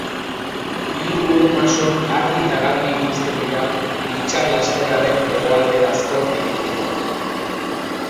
Hiru ur-masok argi eta garbi ikusten dira itsaslasterraren hegoalderanzko ibilbidean.